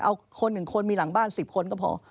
เอาคนหนึ่งคนมีหลังบ้านสิบคนก็พอ